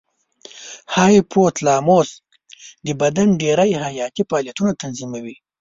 هایپو تلاموس د بدن ډېری حیاتي فعالیتونه تنظیموي.